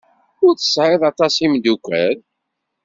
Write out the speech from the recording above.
Ur tesɛiḍ aṭas n yimeddukal.